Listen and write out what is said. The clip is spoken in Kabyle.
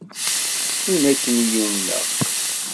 Win akken i yumneɣ.